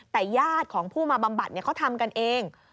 แต่ญาติของผู้มาบำบัดเขาทำกันเอง